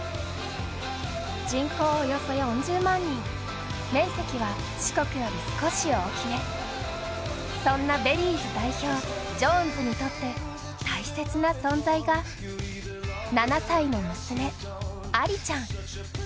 人口およそ４０万人、面積は四国より少し大きめ、そんなベリーズ代表、ジョーンズにとって大切な存在が７歳の娘、アリちゃん。